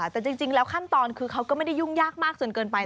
แต่จริงแล้วขั้นตอนคือเขาก็ไม่ได้ยุ่งยากมากจนเกินไป